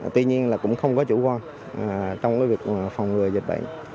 tuy nhiên là cũng không có chủ quan trong cái việc phòng người dịch bệnh